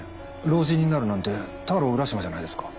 老人になるなんて太郎浦島じゃないですか。